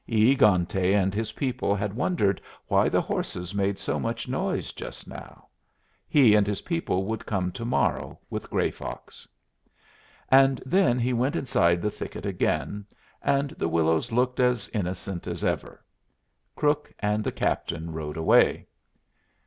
E egante and his people had wondered why the horses made so much noise just now. He and his people would come to morrow with Gray Fox. And then he went inside the thicket again, and the willows looked as innocent as ever. Crook and the captain rode away.